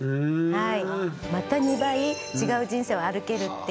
はい。